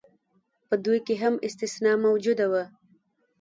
په دوی کې هم استثنا موجوده وه.